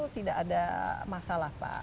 tidak ada masalah pak